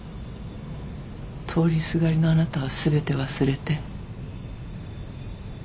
通りすがりのあなたは全て忘れて。